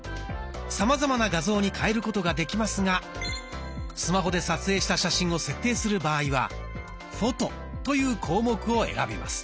さまざまな画像に変えることができますがスマホで撮影した写真を設定する場合は「フォト」という項目を選びます。